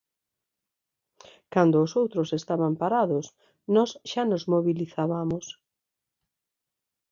"Cando os outros estaban parados, nos xa nos mobilizabamos".